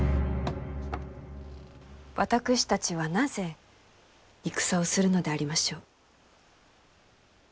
私たちはなぜ戦をするのでありましょう？